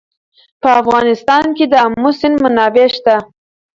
په افغانستان کې د آمو سیند منابع شته.